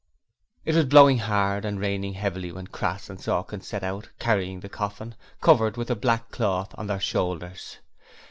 It was blowing hard and raining heavily when Crass and Sawkins set out, carrying the coffin covered with a black cloth on their shoulders.